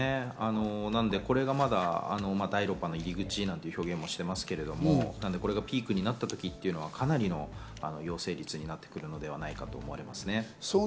これがまだ第６波の入り口とも話してますけれども、これがピークになったとき、かなりの陽性率となってくるのではないかと思われますね。